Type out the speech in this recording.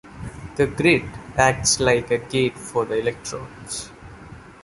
The grid acts like a gate for the electrons.